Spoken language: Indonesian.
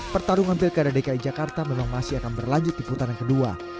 pertarungan pilkada dki jakarta memang masih akan berlanjut di putaran kedua